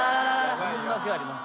こんだけあります。